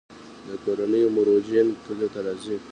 د کرنې مرویجین کلیو ته ځي